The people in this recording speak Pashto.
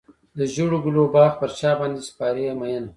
د ژړو ګلو باغ پر چا باندې سپارې مینه.